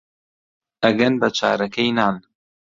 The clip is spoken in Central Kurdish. ئەگەن بە چارەکەی نان